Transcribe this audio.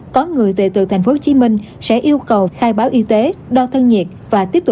có người về từ tp hcm sẽ yêu cầu khai báo y tế đo thân nhiệt